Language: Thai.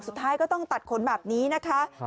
สุดท้ายก็ต้องตัดขนแบบนี้นะคะ